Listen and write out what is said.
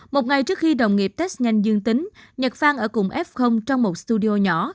một ngày trước khi đồng nghiệp test nhanh dương tính nhật phan ở cùng f trong một studio nhỏ